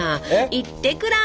行ってくら！